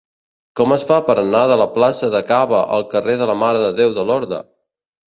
Com es fa per anar de la plaça de Caba al carrer de la Mare de Déu de Lorda?